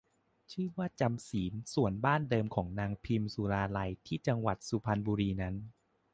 ชื่อว่า จำศีล ส่วนบ้านเดิมของนางพิมสุราลัยที่จังหวัดสุพรรณบุรีนั้น